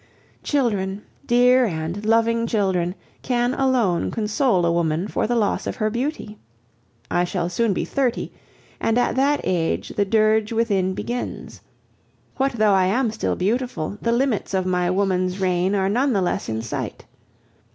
Children, dear and loving children, can alone console a woman for the loss of her beauty. I shall soon be thirty, and at that age the dirge within begins. What though I am still beautiful, the limits of my woman's reign are none the less in sight.